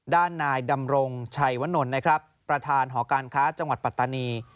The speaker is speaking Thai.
ด้านนายดำรงชัยวนลนะครับประธานหอการค้าจังหวัดปัตตานี